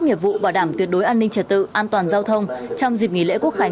nghiệp vụ bảo đảm tuyệt đối an ninh trật tự an toàn giao thông trong dịp nghỉ lễ quốc khánh